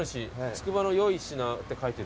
「つくばの良い品」って書いてる。